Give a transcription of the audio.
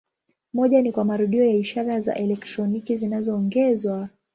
Moja ni kwa marudio ya ishara za elektroniki zinazoongezwa.